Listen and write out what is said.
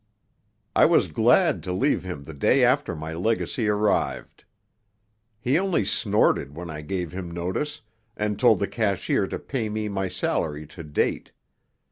I was glad to leave him the day after my legacy arrived. He only snorted when I gave him notice, and told the cashier to pay me my salary to date.